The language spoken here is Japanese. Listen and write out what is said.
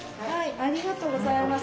ありがとうございます。